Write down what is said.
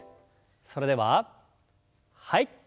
それでははい。